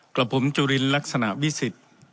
กับผมจุลินลักษณะวิสิทธิ์